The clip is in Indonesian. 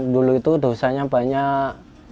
dulu itu dosanya banyak